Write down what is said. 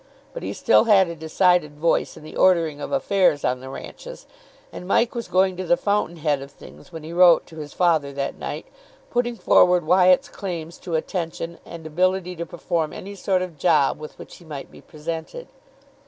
But he still had a decided voice in the ordering of affairs on the ranches, and Mike was going to the fountain head of things when he wrote to his father that night, putting forward Wyatt's claims to attention and ability to perform any sort of job with which he might be presented.